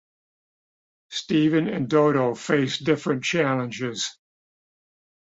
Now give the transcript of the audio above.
Steven and Dodo face different challenges.